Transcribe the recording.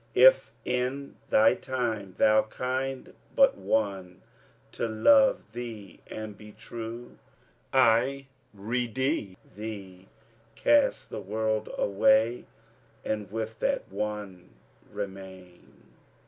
If in thy time thou kind but one to love thee and be true, I rede thee cast the world away and with that one remain."